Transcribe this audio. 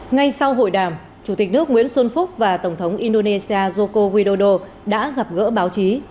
ngay sau hội đàm chủ tịch nước nguyễn xuân phúc và tổng thống indonesia joko widodo đã gặp gỡ báo chí